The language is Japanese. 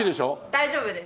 大丈夫です。